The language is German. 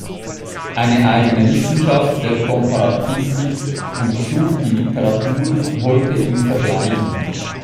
Eine eigene Wissenschaft der Komparatistik untersucht die Literaturen heute in Vergleichen.